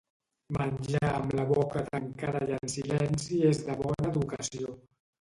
Menjar amb la boca tancada i en silenci és de bona educació.